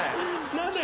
何で？